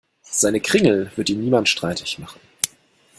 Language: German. Seine Kringel wird ihm niemand streitig machen.